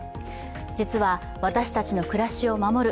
実は私たちの暮らしを守る